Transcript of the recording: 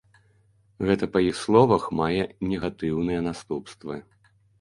Гэта, па іх словах, мае негатыўныя наступствы.